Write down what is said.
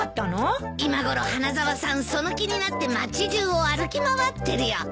今ごろ花沢さんその気になって町じゅうを歩き回ってるよ。